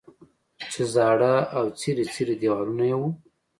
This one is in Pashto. چې زاړه او څیري څیري دیوالونه یې وو.